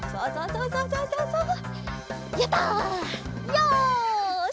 よし！